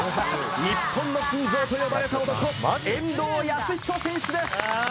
日本の心臓と呼ばれた男遠藤保仁選手です